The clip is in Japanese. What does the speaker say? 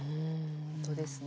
本当ですね。